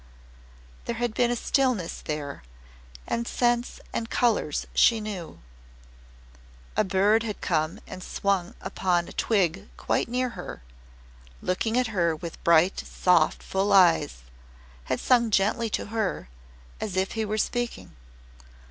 There had been a stillness there and scents and colours she knew. A bird had come and swung upon a twig quite near her and, looking at her with bright soft full eyes, had sung gently to her, as if he were speaking.